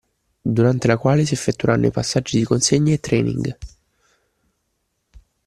Durante la quale si effettueranno i passaggi di consegna e training.